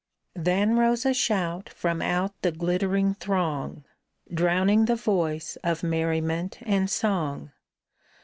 " Then rose a shout from out the glittering throng Drowning the voice of merriment and song.